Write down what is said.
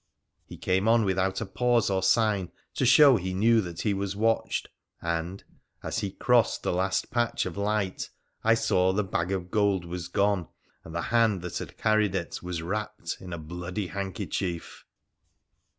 He came on with out a pause or sign to show he knew that he was watched, and, as he crossed the last patch of light, I saw the bag of PHRA THE PHCENICIAN 2S3 gold was gone, and the hand that had carried it was wrapped in a bloody handkerchief.